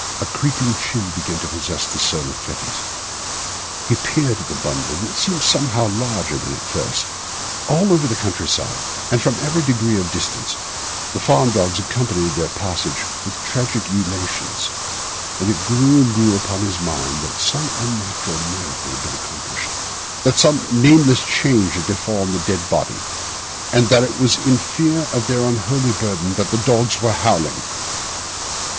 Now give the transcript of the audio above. A creeping chill began to possess the soul of Fettes. He peered at the bundle, and it seemed somehow larger than at first. All over the country side, and from every degree of distance, the farm dogs accompanied their passage with tragic ululations; and it grew and grew upon his mind that some unnatural miracle had been accomplished, that some nameless change had befallen the dead body, and that it was in fear of their unholy burden that the dogs were howling.